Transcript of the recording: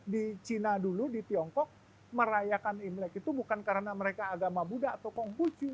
di china dulu di tiongkok merayakan imlek itu bukan karena mereka agama buddha atau kongkucu